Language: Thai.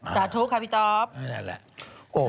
สาธุค่ะพี่ตอบ